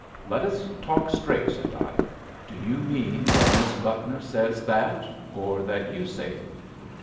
"Let us talk straight," said I. "Do you mean that Miss Buckner says that, or that you say it?"